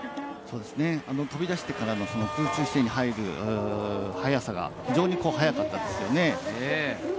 飛び出してからの空中姿勢に入る速さが非常に速かったですね。